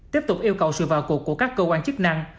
tiếp tục yêu cầu sự vào cuộc của các cơ quan chức năng